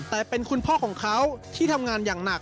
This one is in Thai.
แต่เป็นคุณพ่อของเขาที่ทำงานอย่างหนัก